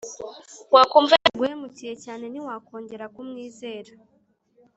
Wakumva yaraguhemukiye cyane ntiwakongera kumwizera